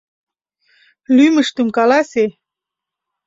Лӱмыштым каласе!»